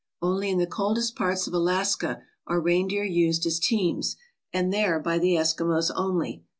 Only in the coldest parts of Alaska are reindeer used as teams, and there by the Eskimos only.